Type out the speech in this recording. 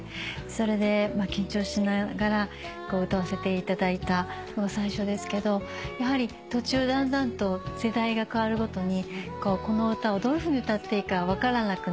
それで緊張しながら歌わせていただいたのが最初ですけどやはり途中だんだんと世代がかわるごとにこの歌をどういうふうに歌っていいか分からなく。